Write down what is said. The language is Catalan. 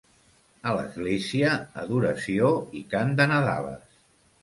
A l'església, adoració i cant de nadales.